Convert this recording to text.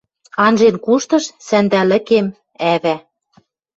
Анжен куштыш сӓндӓлӹкем-ӓва!